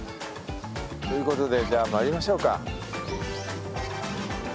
ということでじゃあ参りましょうか。